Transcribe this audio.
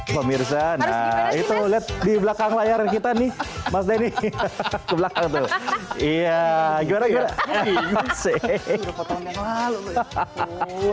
pemirsa nah itu let di belakang layar kita nih mas deni ke belakang iya gimana gimana